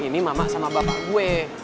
ini mama sama bapak gue